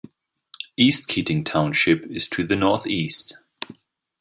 East Keating Township is to the northeast.